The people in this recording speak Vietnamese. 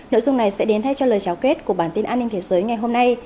nội dung này sẽ đến thay cho lời cháo kết của bản tin an ninh thế giới ngày hôm nay